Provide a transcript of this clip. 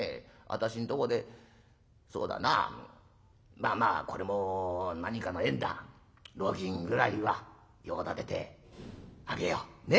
私んとこでそうだなまあまあこれも何かの縁だ路銀ぐらいは用立ててあげよう。ね？